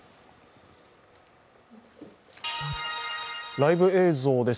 ライブ映像です。